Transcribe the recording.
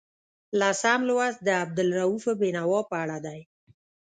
لسم لوست د عبدالرؤف بېنوا په اړه دی.